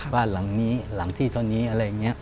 บ้านหลังนี้หลังที่เท่านี้อะไรอย่างนี้